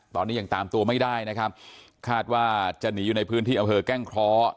ตอนนี้ยังตามตัวไม่ได้นะครับคาดว่าจะหนีอยู่ในพื้นที่อำเภอแก้งเคราะห์